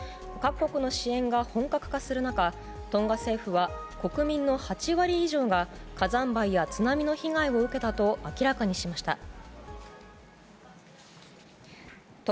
各国の支援が本格化する中トンガ政府は火山灰や津波の被害を受けたと明らかにしました。